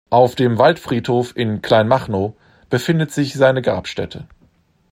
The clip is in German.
Auf dem Waldfriedhof in Kleinmachnow befindet sich seine Grabstätte.